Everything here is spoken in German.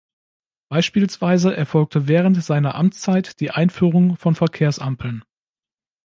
Beispielsweise erfolgte während seiner Amtszeit die Einführung von Verkehrsampeln.